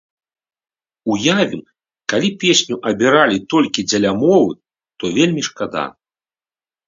Уявім, калі песню абіралі толькі дзеля мовы, то вельмі шкада.